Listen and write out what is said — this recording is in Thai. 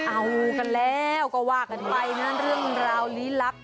เอากันแล้วก็ว่ากันไปนะเรื่องราวลี้ลับ